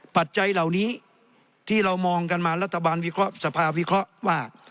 ปัจจัยเหล่านี้ที่เรามองกันมารัฐบาลสภาวิเคราะห์ว่า